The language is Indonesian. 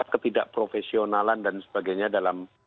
ketidakprofesionalan dan sebagainya dalam